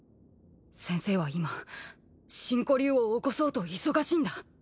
先生は今真古流を興そうと忙しいんだ。